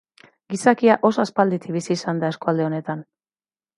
Gizakia oso aspalditik bizi izan da eskualde honetan.